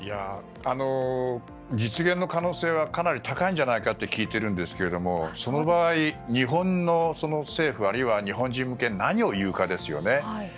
実現の可能性はかなり高いんじゃないかと聞いていますがその場合、日本の政府あるいは日本人向けに何を言うかですよね。